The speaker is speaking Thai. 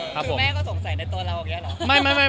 คือแม่ก็สงสัยในตัวเราอย่างนี้เหรอ